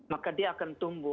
maka dia akan tumbuh